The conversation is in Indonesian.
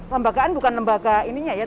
lembagaan bukan lembaga ininya ya